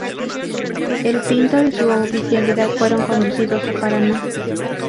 El "Pinto" y su oficialidad fueron conducidos a Paraná.